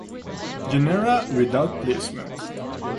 Genera without placement.